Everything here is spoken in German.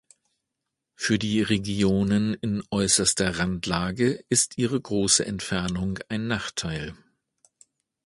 Für die Regionen in äußerster Randlage ist ihre große Entfernung ein Nachteil.